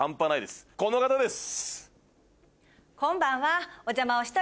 この方です！